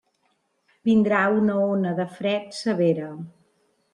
Vindrà una ona de fred severa.